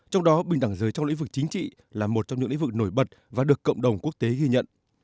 trong đó bình đẳng giới trong lĩnh vực chính trị là một trong những lĩnh vực nổi bật và được cộng đồng quốc tế ghi nhận